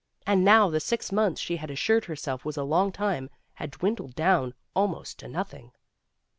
And now the six months she had assured herself was a long time had dwindled down almost to nothing.